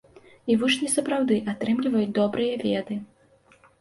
І вучні сапраўды атрымліваюць добрыя веды.